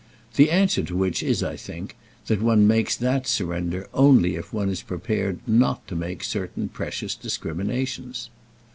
The answer to which is, I think, that one makes that surrender only if one is prepared not to make certain precious discriminations.